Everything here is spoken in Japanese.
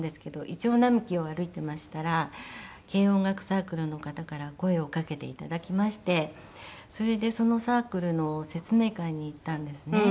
イチョウ並木を歩いていましたら軽音楽サークルの方から声をかけて頂きましてそれでそのサークルの説明会に行ったんですね。